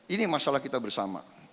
ini masalah kita bersama